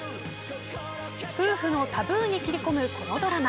夫婦のタブーに切り込むこのドラマ。